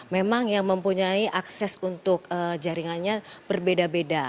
memang yang mempunyai akses untuk jaringannya berbeda beda